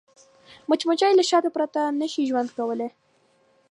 مچمچۍ له شاتو پرته نه شي ژوند کولی